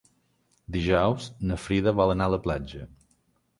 Dijous na Frida vol anar a la platja.